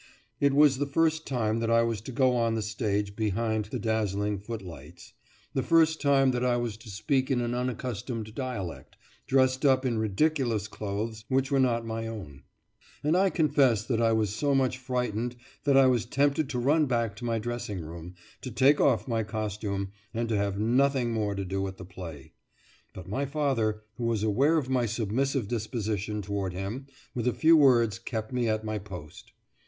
It was the first time that I was to go on the stage behind the dazzling footlights, the first time that I was to speak in an unaccustomed dialect, dressed up in ridiculous clothes which were not my own; and I confess that I was so much frightened that I was tempted to run back to my dressing room, to take off my costume, and to have nothing more to do with the play. But my father, who was aware of my submissive disposition toward him, with a few words kept me at my post.